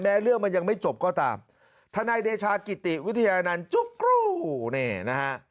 เรื่องมันยังไม่จบก็ตามทนายเดชากิติวิทยานันต์จุ๊กกรูนี่นะฮะ